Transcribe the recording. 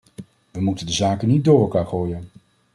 We moeten de zaken niet door elkaar gooien.